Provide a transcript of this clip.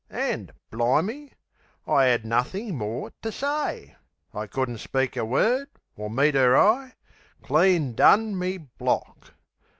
An', bli'me, I 'ad nothin' more ter say! I couldn't speak a word, or meet 'er eye. Clean done me block!